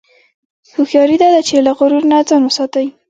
هوښیاري دا ده چې له غرور نه ځان وساتې.